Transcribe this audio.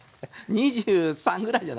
２３ぐらいじゃないですか。